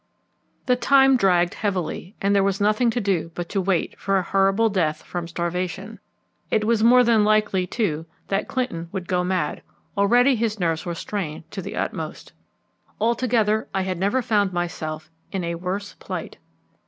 The time dragged heavily, and there was nothing to do but to wait for a horrible death from starvation. It was more than likely, too, that Clinton would go mad; already his nerves were strained to the utmost. Altogether I had never found myself in a worse plight.